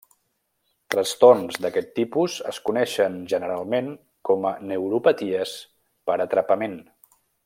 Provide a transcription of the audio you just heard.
Trastorns d'aquest tipus es coneixen generalment com neuropaties per atrapament.